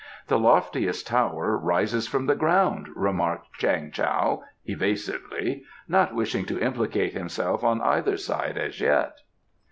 "The loftiest tower rises from the ground," remarked Chang Tao evasively, not wishing to implicate himself on either side as yet.